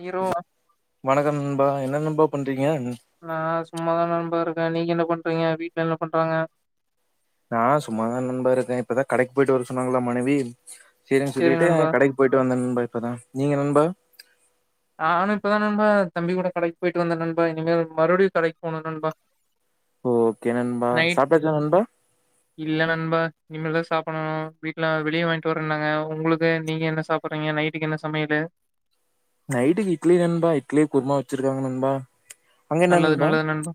Hero வணக்கம் நண்பா என்ன நண்பா பண்றிங் ஆஹ் சும்மாதான் நண்பா இருக் நா நீங்க என்ன பண்றீங்க வீட்ல என்ன பண்றாங்க நான் சும்மாதான் நண்பா இருக்கேன். இப்பதான் கடைக்கு போய்ட்டு வர சொன்னாங்களா மனைவி சேரின்னு சேரி சொல்லிட்டு நண்பா கடைக்கு போய்ட்டு வந்தேன் நண்பா இப்பதான் நீங்க நண்பா நானும் இப்பதான் நண்பா தம்பி கூட கடைக்கு போய்ட்டு வந்தேன் நண்பா. இனிமேல் மறுவடியும் கடைக்கு போணும் நண்பா ஓகே நண்பா நைட் சாப்ட்டாச்சா நண்பா இல்ல நண்பா இன்மேல்தான் சாப்புணும் வீட்டுல வெளிய வாங்கிட்டு வரேன்னாங்க உங்களுக்கு நீங்க என்ன சாப்புட்றீங்க நைட்டுக்கு என்ன சமையலு நைட்டுக்கு இட்லி நண்பா இட்லி குருமா வச்சிருக்காங்க நண்பா அங்க என்ன நல்லது நல்லது நண்பா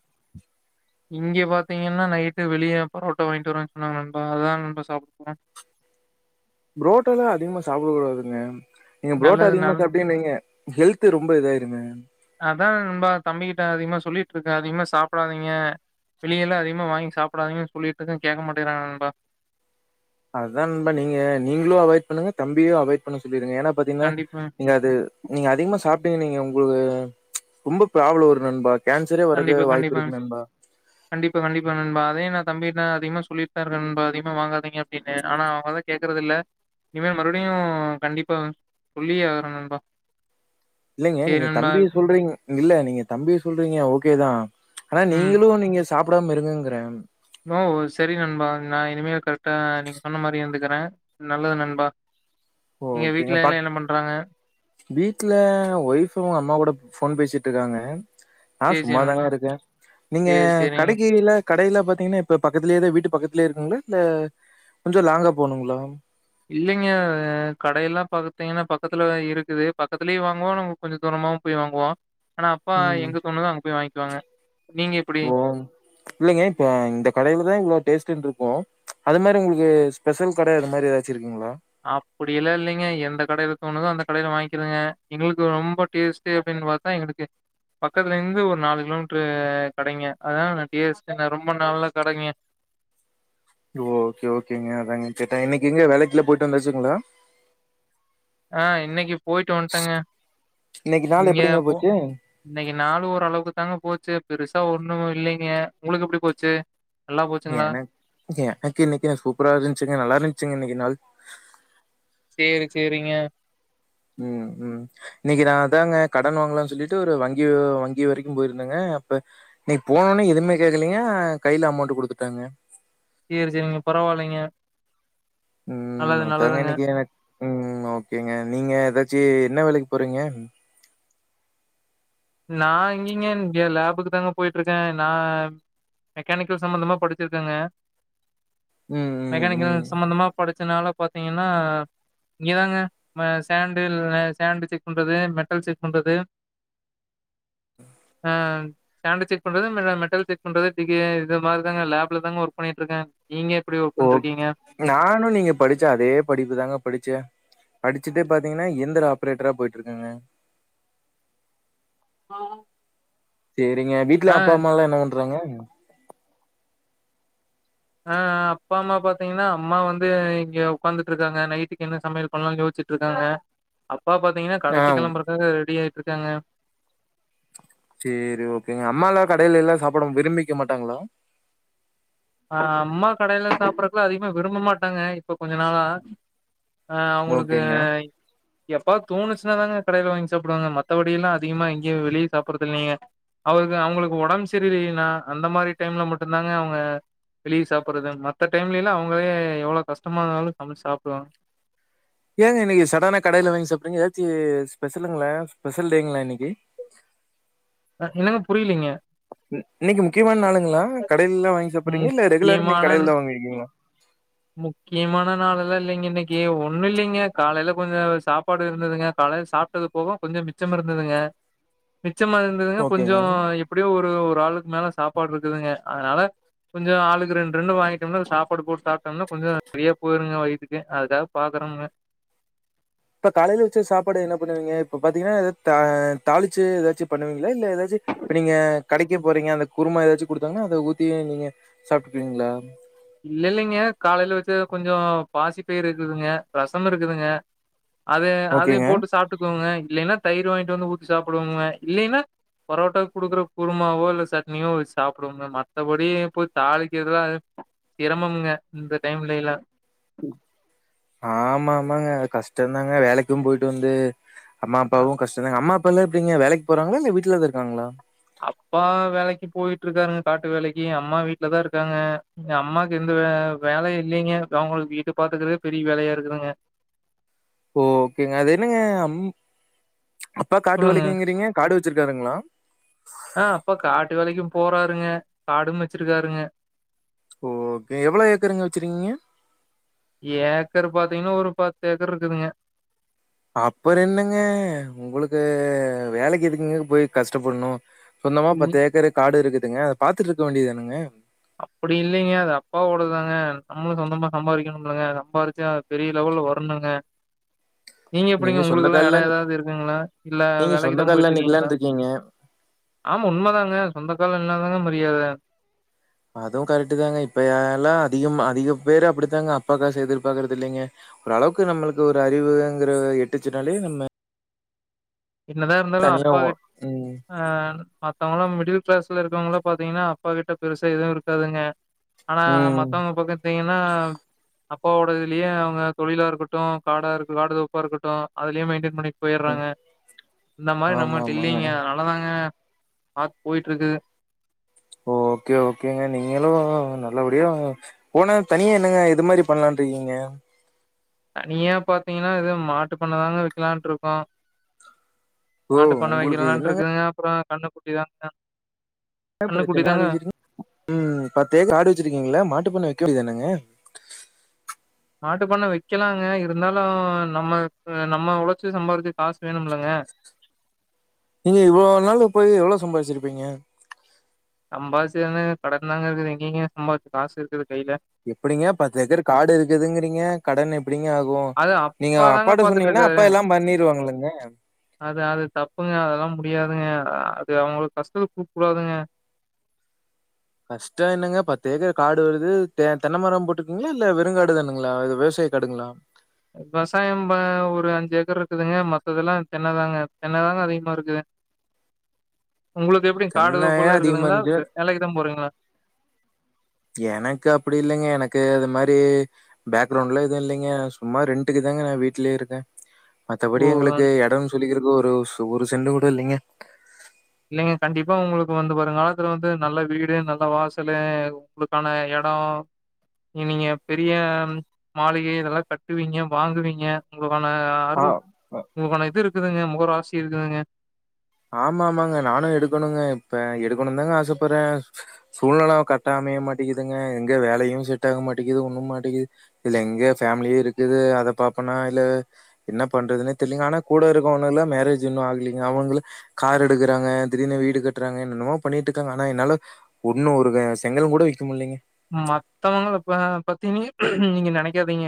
இங்க பாத்தீங்கன்னா நைட்டு வெளிய பரோட்டா வாங்கிட்டு வருவேனு சொன்னாங்க நண்பா அதான் நண்பா சாப்டுவேன் ப்ரோட்டாலா அதிகமா சாப்ட கூடாதுங்க நீங்க ப்ரோட்டா நல்லது அதிகமா நல் சாப்டீங் வைங்க ஹெல்து ரொம்ப இதாய்ருங்க அதா நண்பா தம்பிகிட்ட அதிக்மா சொல்லிட்ருக்கே அதிக்மா சாப்டாதீங்க வெளியெல்லா அதிகமா வாய்ங் சாப்டாதீங்க சொல்லிட்ருக்கே கேக்க மாட்டேன்றாங்க நண்பா அதான் நண்பா நீங்க நீங்ளு அவாய்ட் பண்ணுங்க தம்பியு அவாய்ட் பண்ண சொ ல்லிருங்க ஏனா பாத்தீங்ன்னா கண்டிப்பா நீங்க அது நீங்க அதிக்மா சாப் இப்பே இருந்து நீங்க உங்ளுகு ச்ச் ரொம்போ ப்ராப்ளோ வரு நண்பா கேன்சரே வரக்கு கண்டிப்பா வாய்ப்பு கண்டிப்பா இருக்கு நண்பா கண்டிப்பா கண்டிப்பா நண்பா அதே தம்பி நான் அதிகமா சொல்லிட்டு தான் இருக்கேன் நண்பா அதிகமா வாங்காதீங்க அப்படின்னு ஆனா அவங்கதான் கேக்குறது இல்ல இனிமேல் மறுபடியும் கண்டிப்பா சொல்லியே ஆகுறேன் நண்பா இல்லைங்க சரி நீங்க நண்பா. தம்பிய சொல்றீங்க இல்ல நீங்க தம்பிய சொல்றீங்க ஓகே தான் ஆனா ம். நீங்களும் நீங்க சாப்பிடாம இருங்கங்கிறன் ஓ சரி நண்பா நான் இனிமே கரெக்டா நீங்க சொன்ன மாதிரி இருந்துக்கறேன் நல்லது நண்பா எங்க ஓகேங்க வீட்ல எல்லாம் பட் என்ன பண்றாங்க? வீட்டுல ஒய்ப் அவங்க அம்மா கூட போன் பேசிட்டு இருக்காங்க நான் சரி, சரி நண்பா. சும்மாதாங்க இருக்கேன் நீங்க சரி, சரிங்க. கடைக்ககிவில கடையில பாத்தீங்கன்னா இப்ப பக்கத்திலயேதான் வீட்டு பக்கத்தலயே இருக்குங்களா இல்ல கொஞ்சம் லாங்கா போணுங்களா இல்லைங்க கடையெல்லாம் பாத்தீங்கன்னா பக்கத்துலதான் இருக்குது பக்கத்திலயும் வாங்குவோம் நங்க கொஞ்சம் தூரமாவும் போய் வாங்குவோம் ஆனா அப்பா ம் எங்க தோணுதோ தான் அங்க போய் வாயி வாங்க ஓ இல்லைங்க இப்ப இந்த கடைலதான் இவ்வளோ டேஸ்ட்னு இருக்கும் அது மாரி உங்களுக்கு ஸ்பெஷல் கடை அது மாதிரி ஏதாச்சும் இருக்குங்களா அப்படிலாம் இல்லைங்க எந்த கடையில தோணுதோ அந்த கடையில வாங்கிக்கிருங்க எங்களுக்கு ரொம்ப டேஸ்ட் அப்படின்னு பாத்தா எங்களுக்கு பக்கத்துல இருந்து ஒரு நாலு கிலோமீட்டரு கடைங்க அதான் டேஸ்ட் ரொம்ப நல்ல கடைங்க ஓகே ஓகேங்க அதாங்க கேட்டேன் இன்னைக்கு எங்க வேலைக்குல போயிட்டு வந்தாச்சுங்களா ஆஹ் இன்னைக்கு போயிட்டு வந்துட்டேங்க இன்னைக்கு நாள் இங்கே எப்படிங்க போ போச்சு இன்னைக்கு நாளு ஒரு அளவுக்கு தாங்க போச்சு பெருசா ஒண்ணும் இல்லைங்க உங்களுக்கு எப்படி போச்சு நல்லா போச்சுங்களா? எனக் எனக்கு இன்னைக்கு சூப்பரா இருந்துச்சிங்க நல்லா இருந்துச்சுங்க இன்னைக்கு நாள் சரி சரிங்க உம்-உம் இன்னைக்கு நான் அதாங்க கடன் வாங்கலாம்னு சொல்லிட்டு ஒரு வங்கி-வங்கி வரைக்கும் போயிருந்தேங்க அப்ப இன்னைக்கு போனோன எதுவுமே கேட்கலீங்க கையில அமௌண்ட் குடுத்துட்டாங்க சரி சரிங்க பரவாயில்லைங்க உம் நல்லது, அதாங்க நல்லதுங்க. இன்னைக்கு உம் ஓகேங்க நீங்க ஏதாச்சும் என்ன வேலைக்கு போறீங்க நான் இங்கிங்க லேபுக்கு தாங்க போயிட்டு இருக்கேன் நான் மெக்கானிக்கல் சம்பந்தமா படிச்சிருக்கேங்க ம் ம் மெக்கானிக்கல் ம். சம்பந்தமா படுச் அதினால பாத்தீங்கன்னா இங்கேதாங்க சேண்டு-சேண்டு செக்பண்றது மெட்டல் செக்பண்றது ஆஹ் ஸ்டாண்ட் செக்பண்றது மெட் மெட்டல் செக்பண்றது டிிகே இது மாதிரிதாங்க லேப்ல தாங்க ஒர்க் பண்ணிட்டு இருக்கேன் ஓ நானும் நீங்க படிச்சே அதே படிப்புதாங்க படிச்சேன் அடிச்சுட்டு பாத்தீங்கன்னா எந்திர ஆப்ரேட்டரா போயிட்டு இருக்கங்க ஆஹ் சரிங்க வீட்டுல அப்பா அம்மா எல்லாம் என்ன பண் றாங்க ஆஹ் அப்பா அம்மா பாத்தீங்கன்னா அம்மா வந்து இங்க உக்காந்துட்டு இருக்காங்க நைட்டுக்கு என்ன சமையல் பண்ணலாம் யோசச்சட்டு இருக்காங்க அப் பா பாத்திங்கன்னா கடைக்கி ஆ கிளம்புறகு ரெடி ஆ அக்கு எங்கா [inaudible] சரி ஓகேங்க அம்மா எலாம் கடையில எல்லாம் சாப்பிட விரும்பிக்க மாட்டாங்களா ஆ அம்மா கடையில சாப்படுறதுக்குலாம் அதிகமா விரும்ப மாட்டாங்க இப்ப கொஞ்ச நாளா ஆ அவங்களுக்கு ஓகேங்க. எப்பா தோணுச்சுன்னா தாங்க கடைல வாங்கி சாப்பிடுவாங்க மற்றபடிய எல்லாம் அதிகமா வெளியே சாப்பிடடுறது இல்லைங்க அவருக்கு அவங்களுக்கு உடம்பு சரியில்லைனா அந்த மாரி டைம்ல மட்டும்தாங்க அவங்க வெளியே சாப்பிடுறது மத்த டைம்ல இல்ல அவங்களே எவ்வளவு கஷ்டமா இருந்தாலும் சமை சாப்பிடுவாங்க ஏங்க இன்னைக்கு சடானா கடையில வாங்கி சாப்பறீங்க ஏதாச்சும் ஸ்பெஷலுங்களா ஸ்பெஷல் டேங்களா இன்னைக்கு என்னங்க புரியலீங்க இன்னைக்கு முக்கியமான நாளுங்களா கடையிலல்லாம் வாங்கி சாப்பிடுறீங்க இல்ல ரெகுலர் நீங்க முக்கியமான கடையில தான் வாங்கிருக்கீங்களா முக்கியமான நாள் எல்லாம் இல்லைங்க இன்னைக்கு ஒண்ணும் இல்லைங்க காலையில கொஞ்சம் சாப்பாடு இருந்ததுங்க காலையில சாப்பிட்டது போக கொஞ்சம் மிச்சம் இருந்ததுங்க மிச்சமா இருந்ததுங்க ஓகேங்க. கொஞ்சம் எப்படியோ ஒரு ஆளுக்கு மேல சாப்பாடு இருக்குதுங்க அதனால கொஞ்சம் ஆளுக்கு ரெண்டு ரெண்டு வாங்க சாப்பாடு போட்டு சாப்ட்டு போம்னா கொஞ்சம் நிறைய போயிருங்க வயதுக்கு அதுக்காவ பாக்குறங்க இப்ப காலையில வச்சு சாப்பாடு என்ன பண்ணுவீங்க இப்ப பாத்தீங்கன்னா ஏதாவது தாளிச்சு ஏதாச்சும் பண்ணுவீங்களா இல்ல ஏதாச்சும் இப்ப நீங்க கடைக்க போறீங்க அந்த குருமா ஏதாச்சும் குடுத்தாங்கன்னா அதை ஊத்தி நீங்க சாப்பிட்டுக்குவீங்களா இல்ல இல்லைங்க காலையில வச்சு கொஞ்சம் பாசி பயிர் இருக்குதுங்க ரசம் இருக்குதுங்க அது அது ஓகேங்க. போட்டு சாப்பிட்டுக்குங்க இல்லலைன்னா தயிர் வாங்கிட்டு வந்து ஊற்றி சாப்பிடுவோங்க இல்லைன்னா பரோட்டாக்கு குடுக்குற குருமாவோ இல்ல சட்னியோச்ச சாப்பிடுவோங்க மத்தபடி போய் தாலிக்கு எதல்லாம் சிரமம்ங்க இந்த டைம்ல லா ஆமா ஆமாங்க கஷ்டம்தாங்க வேலைக்கும் போயிட்டு வந்து அம்மா அப்பாவும் கஷ்ட்தா அம்மா இப்பல்லாம் எப்படிங்க வேலைக்கு போறங்களா இல்ல வீட்டுலத இருக்காங்களா அப்பா வேலைக்கு போயிட்டு இருக்காருங்க காட்டு வேலைக்கு அம்மா வீட்லதான் இருக்காங்க அம்மாக்கு எந்த வே வேல இல்லைங்க அவங்களுக்கு வீட்டு பாத்துக்கறதே பெரிய வேலையா இருக்குங்க ஓ ஓகேங்க அது என்னங்க அம் அப்பா காட்டு சொல்லுங்க. வேலைக்கிங்கிறீங்க காடுச் வச்சிருக்காருங்களா ஆ அப்ப காட்டு வேலைக்கும் போறாருங்க காடும் வச்சிருக்காருங்க ஓ ஓகே எவ்வளவு ஏக்கருங்க வச்சிருக்கீங்க ன்ன ஒரு பத்து ஏக்கர் இருக்குதுங்க அப்பற என்னங்க உங்களுக்கு வேலைக்கு எதுக்குங்க போய் கஷ்டப்படணும் சொன்னமா ம் பத்து ஏக்கரு காடு இருக்கு ங்க அதை பாத்துட்டு இருக்க வேண்டியதானுங்க அப்படி இல்லைங்க அது அப்பாவோடதாங்க நம்மளும் சொந்தமா சம்பாதிக்கணும்லங்க சம்பாதிச்சு பெரிய லெவல்ல வரணுங்க நீங்க எப்படிங்க சொந்த உங்களுக்கெல்லாம் கால்ல இடம் ஏதாவது இருக்குங்களா இல்ல நீங்க வேலைக்கு சொந்த தான் கால்ல போயிட்டு இருக்கீங்களா நிக்கலான்னு இருக்கீங்க. ஆமா உண்மைதாங்க சொந்த கால்ல நின்ன தாங்க மரியாத அதுவும் கரெக்ட் தாங்க இப்பல்லாம் அதிகம் அதிக பேரு அப்படித்தாங்க அப்பாக் காசுஎதிர்பாக்கறது இல்லைங்க ஓரளவுக்கு நம்மளுக்கு ஒரு அறிவுங்கிற எட்டுச்சுனாலே நம்ம என்னதான் இருந்தாலும் தனியா அப்பா ஓ ம். ஆ மத்தவங்கல்லாம் மிடில் கிளாஸ்ல இருக்கவங்களாம் பாத்தீங்கன்னா அப்பா கிட்ட பெருசா எதுவும் இருக்காதுங்க ஆனா ம். மத்தவங்க பக்க அப்பாவோட இதுலயே அவங்க தொழிலா இருக்கட்டும் காடா இரு காடு தோப்பா இருக்கட்டும் அதுலயும் மெயின்டெய்ன் பண்ண ம். போய்ட்றாங்க இந்த மாரி நம்மட்ட ஆமாமாங்க. இல்லலைங்க அதனாலதாங்க பாத் போயிட்டிருக்கு ஓகே ஓகேங்க நீங்களு நல்லபடியா போன தனியா என்னங்க எது மாரி பண்ணலானு இருக்கீங்க தனியா பாத்தீங்கன்னா இது மாட்டு பண்ண தாங்க வெக்கலான்னுட்டு இருக்கோ ஓ மாட்டு பண்ண உங்களுக்கு வெக்கலலான்டு இருக்கோங்க அப்றோ கண்ணுக்குட்டி தாங்க கன்னுக்குட்டி தாங்க உம் பத்து ஏக்கர் காடு வெச்சிருக்கீங்கள்ல மாட்டுப்பண்ண வெக்கவேண்டிதானுங்க மாட்டு பண்ண வெக்கலாங்க இருந்தாலு நம்ம நம்ம உழைச்சு சம்பாரிச்ச காசு வேணும்லங்க நீங்க இவ்வளோ நாள் போய் எவ்ளோ சம்பாரிச்சிருப்பீங்க சம்பாச்சி எங்கெங்க கடன்தாங்க இருக்குது எங்கெங்க சம்பாதிச்சு காசு இருக்குது கையில எப்டிங்க பத்து ஏக்கர் காடு இருக்குதுங்கிறீங்க கடன் எ எப்டிங்க ஆகு அது நீங்க அப்பா தாங்க அப்பாட்ட சொன்னீங்கன்னா பாத்துட்டுருக்காரு. அப்பா எல்லாம் பண்ணிருவாங்க இல்லங்க ல்லங்க அது அவுங்களுக்கு கஷ்டத்த குடுக்க கூடாதுங்க கஷ்டோ என்னங்க பத்து ஏக்கர் காடு வருது தெ தென்னை மரோ போட்டிருக்கிங்களா இல்ல வெறுங்காடு தானுங்களா இ விவசாய காடுங்களா விவசாயம் ஒரு அஞ்சு ஏக்கர் இருக்குதுங்க மத்ததெல்லாம் தென்னதாங்க தென்னதாங்க அதிகமா இருக்குது உங்களுக்கு எப்டிங்க காடு தென்னையே தோப்புல்ல அதிகமா இருக்குதுங்களா இருந்துச்சு வேலைக்கிதா போறீங்களா எனக்கு அப்டி இல்லைங்க எனக்கு அது மாரி பேக்ரவுண்ட்லா எதுவும் இல்லைங்க சும்மா ரெண்ட்டுக்கு தாங்க நா வீட்டுலயே இருக்கே மத்தபடி ஓ! ஆ. எங்களுக்கு இடம் சொல்லிக்கிறதுக் ஒரு ஒரு சென்டு கூட இல்லைங்க இல்லைங்க கண்டிப்பா உங்களுக்கு வந்து வருங்காலத்துல வந்து நல்ல வீடு நல்ல வாசலு உங்களுக்கான இடம் நீங்க பெரிய மாளிகை இதெல்லாம் கட்டுவீங்க வாங்குவீங்க உங்க [unintelligible] ஆ அருள் ஆ- உங்களுக்கான இது இருக்குதுங்க ஒரு ராசி இருக்குதுங்க ஆமா ஆமாங்க நானும் எடுக்கணுங்க இப்ப எடுக்கணும் தாங்க ஆசைப்படுறேன் சூழ்நில கட்டாமைய மாட்டேக்குதுங்க எங்க வேலையும் செட் ஆக மாட்டேக்குது ஒண்ணும் மாட்டேக்குது இது எங்க ஃபேமிலியும் இருக்குது அதை பாப்பனா இல்ல என்ன பண்றதுனே தெரிலங்க ஆனா கூட இருக்கவன்ன எல்லாம் மேரேஜ் இன்னும் ஆகலைங்க அவங்களுக்கு கார் எடுக்கறாங்க திடீர்னு வீடு கட்டுறாங்க என்னென்னமோ பண்ணிட்டு இருக்காங்க ஆனா என்னால ஒண்ணு ஒரு செங்கல் கூட விக்க முல்லிங்க மத்தவங்கள பத்தி நீங்க நினைக்காதீங்க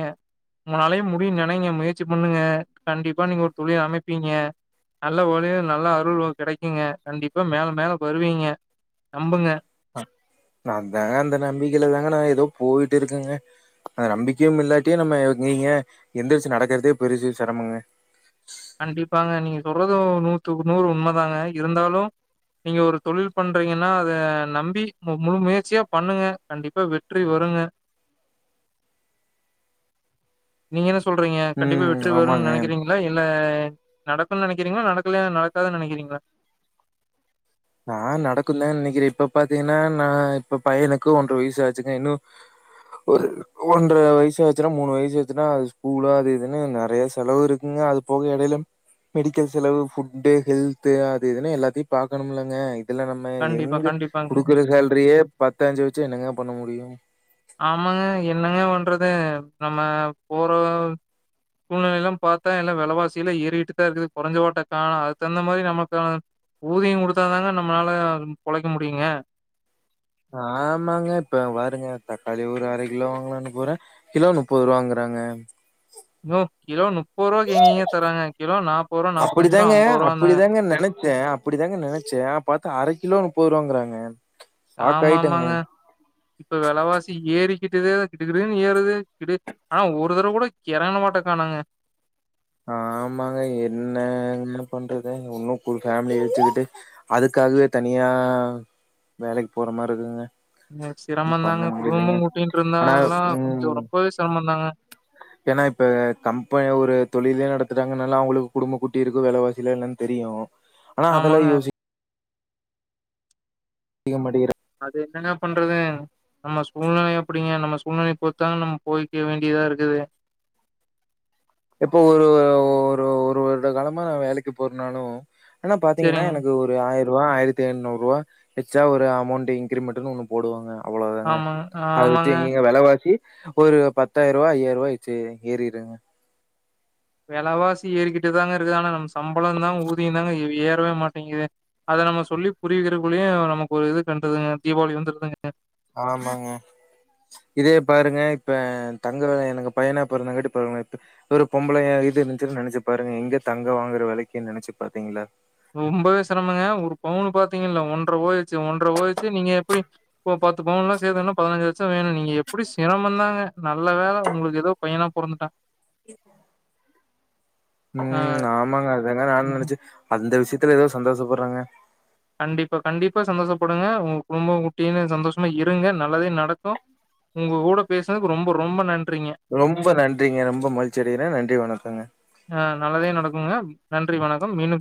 உங்கனாலயும் முடியு நினைங்க முயற்சி பண்ணுங்க கண்டிப்பா நீங்க ஒரு தொழில் அமைப்பீங்க நல்ல வழி நல்ல அருள் கிடைக்குங்க கண்டிப்பா மேல மேல வருவீங்க நம்புங்க அ தாங்க அந்த நம்பிக்கையில தாங்க நான் ஏதோ போயிட்டு இருக்கங்க அந்த நம்பிக்கையும் இல்லாட்டி நம்ம நீங்க எந்திரிச்சு நடக்கிறதே பெரிசு சிரமங்க கண்டிப்பாங்க நீங்க சொல்றதும் நூத்துக்குநூறு உண்மைதாங்க இருந்தாலும் நீங்க ஒரு தொழில் பண்றீங்கன்னா அத நம்பி முழு முயற்சியா பண்ணுங்க கண்டிப்பா வெற்றி வருங்க நீங்க என்ன சொல்றீங்க கண்டிப்பா ம் வெற்றி வரும்னு ஆமாங்க. நினைக்குறீங்ளா என் நடக்கும்னு நினைக்கிறீங்களா நடக்கல நடக்காதுன்னு நினைக்கிறீங்களா நான் நடக்கும் தான் நினைக்கிறேன் இப்ப பாத்தீங்கன்னா நான் இப்ப பையனுக்கு ஒன்ற வயசு ஆச்சுக்கேன் இன்னும் ஒரு ஒன்றரை வயசு ஆச்சுன்னா மூணு வயசு ஆச்சுன்னா அது ஸ்கூல அது எதுன்னு நிறைய செலவு இருக்குங்க அது போக இடையில மெடிக்கல் செலவு ஃபுட்டு ஹெல்து அது இதுன்னு எல்லாத்தையும் பாக்கணும்ல ங்க இல்ல நம்ம கண்டிப்பா, எங்க கண்டிப்பாங்க. கொடுக்குற சேல்ரியே பத்து அஞ்சு வச்சு என்னங்க பண்ண முடியும் ஆமாங்க என்னங்க பண்றது நம்ம போற சூழ்நிலை எல்லாம் பாத்தா எல்லாம் விலவாசியிலாம் ஏறிட்டுதான் இருக்குது குறைஞ்ச பாட்டை காண அதுக்குதகுந்த மாதிரி நமக்கான ஊதியம் குடுத்தாதாங்க நம்மளால பொழைக்க முடியுங்க ஆமாங்க இப்ப பாருங்க தக்காளி ஒரு அரை கிலோ வாங்கலாம்ன்னு போறேன் கிலோ முப்பது ரூபாங்குறாங்க ப்ரோ கிலோ முப் ரூ. அப்படிதாங்க அப்படிதாங்க நினைச்சேன் அப்படி தாங்க நினைச்சேன் பாத்தா அரை கிலோ போறோங்குறாங்க ஆம் ஆமாங்க இப்ப வெலவாசி ஏறி கிட்டுது கடுகிடுனு ஏறுது கிடு ஆனா ஒரு தரவ கூட எறங்குன பாட்டக்கானாங்க ஆமாங்க என்னங்க பண்றது ஒன்னும் பு ஃபேம்லிய வெச்சிக்கிட்டு அதுக்காகவே தனியா வேலக்கி போற மாரி இருக்குங்க உண்ம ஒண்ணும் சீரமம் பண்ண தாங்க முடியலைங்க குடும்பம் ஆனா குட்டியினிடிருந்தால்லா கொஞ்சோ ம் ரொம்பவே செரமந்தாங்க ஏன்னா இப்ப கம்பெ ஒரு தொழிலே நடத்துறாங்கனால அவுங்களுக்கு குடும்பம் குட்டியின் இருக்கும் வெலவாசிலான் என்னன் தெரியு ஆனா அதெல்லா ஆமாங்க யோசி செய்ய மாட்டிங்கிற அது என்னங்க பண்றது நம்ம சூழ்நெல அப்டிங்க நம்ம சூழ்நெல பொருத்துதாங் நம்ம போய்க்க வேண்டியதா இருக்குது எப்போ ஒரு ஒரு ஒரு வருட காலமா நா வேலக்கி போறனாலு என்னா பாத்தீங்கன்னா சரிங்க. எனக்கு ஒரு ஆயர் [unintelligible] ஆயிரத்தி ஐநூற்றுவா எச்சா ஒரு அமொண்டு இங்கிரிமெட்டுனு ஒன்னு போடுவாங்க அவ்ளோ தாங்க ஆமாங்க, அத வெச்சு ஆமாங்க. எங்கெங்க வெலவாசி ஒரு பத்தாயிரரூவா ஐய்யாயிர ரூவா வாச்சி ஏறிருங்க வெலவாசி ஏறிக்கிட்டு தாங்கயிருக்கு ஆனா நம்ம சம்பளம் தா ஊதியம் தாங்க வ் ஏறவே மாட்டேங்கிது அத நம்ம சொல்லி புரியவிக்கிறகுள்ளயே நமக்கு ஒரு இது கண்டுதுங்க தீபாவளி வந்துருதுங்க ஆமாங்க இதே பாருங்க இப்ப தங்குற எனக்கு பையனா பொறந்தாங்காட்டி பாருங்க இப்ப ஒரு பொம்பளயா இது இருந்துச்சுன்னா நெனச்சு பாருங்க எங்க தங்கு வாங்குற வேலைக்குன்னு நெனச்சு பாத்தீங்ளா ரொம்பவே செரமங்க ஒரு பவுனு பாத்தீங்கல்ல ஒன்றபோயிறுச்சு ஒன்ற போயிச்சி நீங்க எப்புடி போ பத்து பவுன்லாம் சேத்துன்னா பதுனஞ்சு லட்சம் வேணு நீங்க எப்டி சிரமந்தாங்க நா நல்ல வேல ஒங்களுக்கு ஏதோ பையனா பொறந்துட்டா அ ம் ஆமாங்க அதுதாங்க நானு ம்ஹ்ம். நெனச்சே அந்த விசியத் [unintelligible] ஏதோ சந்தோசபட்றாங்க கண்டிப்பா கண்டிப்பா சந்தோசபடுங்க ஒங்க குடும்ப குட்டின்னு சந்தோசமா இருங்க நல்லதே நடக்கு ஒங்க கூட பேசுனதுக்கு ரொம்ப ரொம்ப நன் ரொம்ப நன்றிங்க ரொம்ப மகிழ்ச்சி அடையிறன் நன்றி வணக்கங்க அ [unintelligible] நன்றி வணக்கம் மீண்டும் ச